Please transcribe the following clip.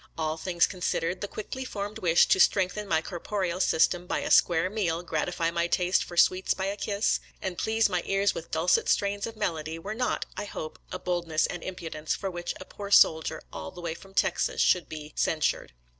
All things considered, the quickly formed wish to strengthen my corporeal system by a square meal, gratify my taste for sweets by a kiss, and please my ears with dulcet strains of melody, were not, I hope, a boldness and impudence for which a poor soldier all the way from Texas should be cen sured.